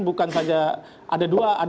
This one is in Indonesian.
bukan saja ada dua